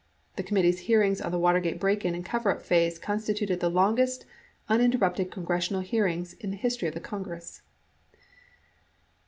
The com mittee's hearings on the Watergate break in and coverup phase con stituted the longest uninterrupted congressional hearings in the history of the Congress.